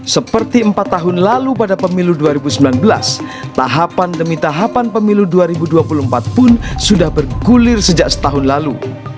seperti empat tahun lalu pada pemilu dua ribu sembilan belas tahapan demi tahapan pemilu dua ribu dua puluh empat pun sudah bergulir sejak setahun lalu